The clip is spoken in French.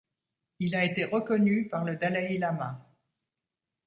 Il a été reconnu par le dalaï-lama.